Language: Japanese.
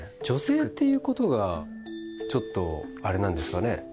女性っていうことがちょっとあれなんですかね？